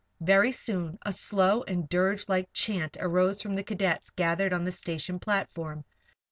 Very soon a slow and dirge like chant arose from the cadets gathered on the station platform.